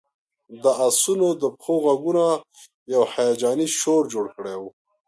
د آسونو د پښو غږونو یو هیجاني شور جوړ کړی و